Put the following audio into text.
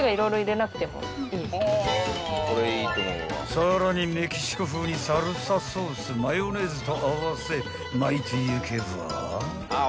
［さらにメキシコ風にサルサソースマヨネーズと合わせ巻いていけば］